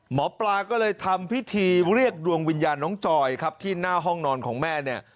หมอปลาก็เลยทำพิธีเรียกดวงวิญญาณน้องจอยครับที่หน้าห้องนอนของแม่เนี่ย